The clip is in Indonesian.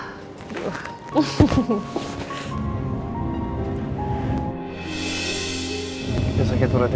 kita sakit urut ya